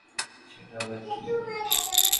সেটা আবার কি?